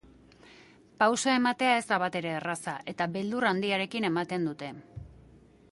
Pausoa ematea ez da batere erraza, eta beldur handiarekin ematen dute.